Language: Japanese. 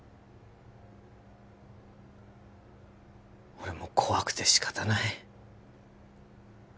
俺も怖くてしかたない